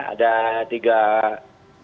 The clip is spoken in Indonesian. ada tiga koalisi besar atau empat